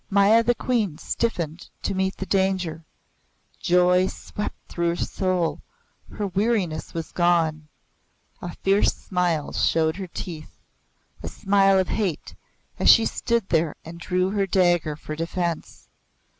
Maya the Queen stiffened to meet the danger. Joy swept through her soul; her weariness was gone. A fierce smile showed her teeth a smile of hate, as she stood there and drew her dagger for defense.